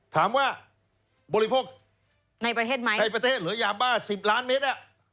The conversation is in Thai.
ถามว่าบริโภคในประเทศไหมในประเทศเหลือยาบ้าสิบล้านเมตร